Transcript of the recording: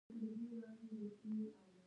ایا ستاسو اذان به نه کیږي؟